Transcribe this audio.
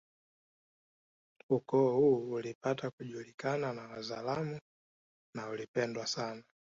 Ukoo huu ulipata kujulikana na Wazaramo na uli pendwa sana